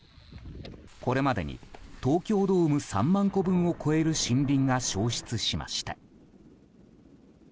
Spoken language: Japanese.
これまでに東京ドーム３万個分を超える森林が焼失しました。